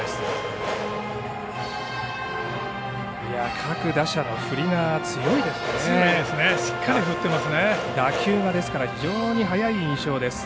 各打者の振りが強いですね。